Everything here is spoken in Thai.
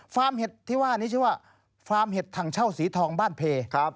เห็ดที่ว่านี้ชื่อว่าฟาร์มเห็ดถังเช่าสีทองบ้านเพ